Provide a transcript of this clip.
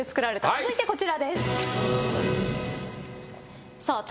続いてこちらです。